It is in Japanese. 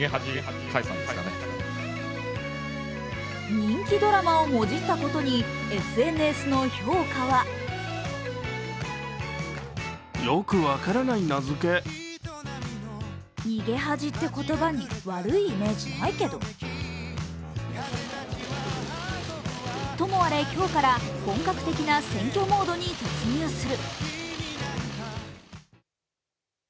人気ドラマをもじったことに、ＳＮＳの評価はともあれ今日から本格的な選挙モードに突入する。